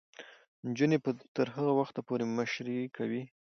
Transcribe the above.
نجونې به تر هغه وخته پورې مشري کوي.